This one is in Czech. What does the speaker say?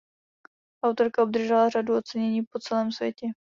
Autorka obdržela řadu ocenění po celém světě.